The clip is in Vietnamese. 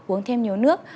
uống thêm nhiều nước